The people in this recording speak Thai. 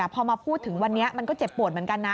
พอมาพูดถึงวันนี้มันก็เจ็บปวดเหมือนกันนะ